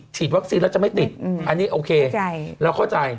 ฉีดวัสิทธิ์แล้วจะไม่ติดอันนี้โอเค